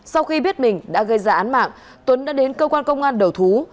sau khi biết mình đã gây ra án mạng tuấn đã đến cơ quan công an đầu thú